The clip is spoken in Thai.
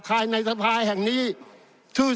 ท่านประธานที่ขอรับครับ